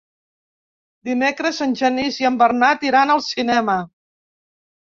Dimecres en Genís i en Bernat iran al cinema.